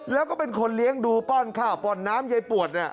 แล้วก็เป็นคนเลี้ยงดูป้อนข้าวป้อนน้ำยายปวดเนี่ย